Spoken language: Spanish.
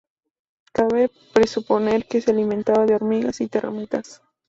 Cabe presuponer que se alimentaba de hormigas y termitas.